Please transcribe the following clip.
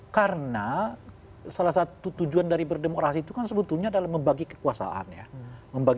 karena salah satu tujuan dari berdemokrasi itu kan sebetulnya adalah membagi kekuasaan ya